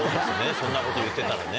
そんなこと言ってたらね。